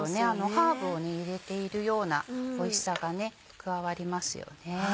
ハーブを入れているようなおいしさが加わりますよね。